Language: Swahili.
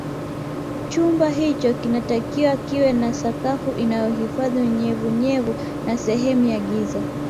Chumba hicho kinatakiwa kiwe na sakafu inayohifadhi unyevunyevu na sehemu ya giza